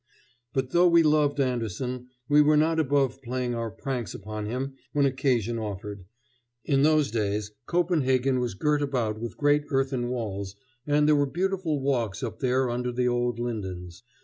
But though we loved Andersen, we were not above playing our pranks upon him when occasion offered. In those days Copenhagen was girt about with great earthen walls, and there were beautiful walks up there under the old lindens.